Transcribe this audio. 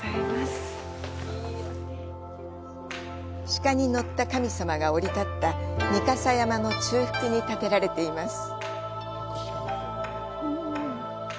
鹿に乗った神様が降り立った御蓋山の中腹に建てられています。